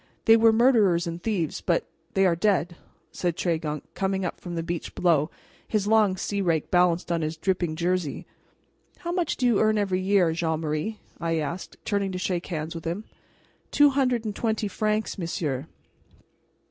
"They were murderers and thieves, but they are dead," said Tregunc, coming up from the beach below, his long sea rake balanced on his dripping jersey. "How much do you earn every year, Jean Marie?" I asked, turning to shake hands with him. "Two hundred and twenty francs, monsieur."